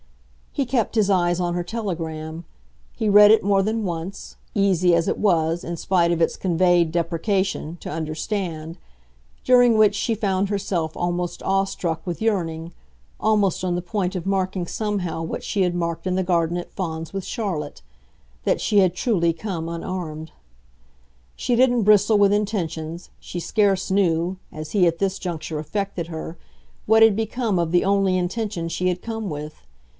He kept his eyes on her telegram; he read it more than once, easy as it was, in spite of its conveyed deprecation, to understand; during which she found herself almost awestruck with yearning, almost on the point of marking somehow what she had marked in the garden at Fawns with Charlotte that she had truly come unarmed. She didn't bristle with intentions she scarce knew, as he at this juncture affected her, what had become of the only intention she had come with.